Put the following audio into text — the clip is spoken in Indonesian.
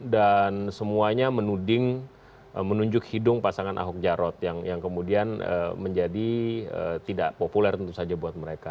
dan semuanya menuding menunjuk hidung pasangan ahok jarot yang kemudian menjadi tidak populer tentu saja buat mereka